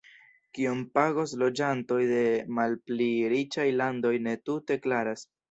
Kiom pagos loĝantoj de malpli riĉaj landoj ne tute klaras.